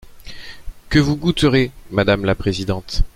…que vous goûterez, madame la présidente.